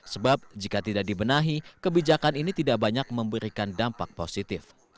sebab jika tidak dibenahi kebijakan ini tidak banyak memberikan dampak positif